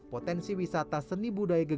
potensi wisata seni budaya